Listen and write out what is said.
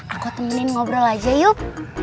aku temenin ngobrol aja yuk